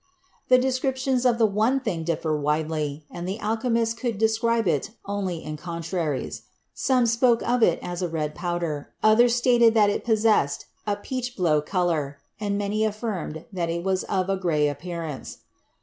The descriptions of the "one thing" differ widely and the alchemists could describe it only in contraries. Some spoke of it as a red powder, others stated that it possessed a peach blow color, and many affirmed that it was of a gray appearance.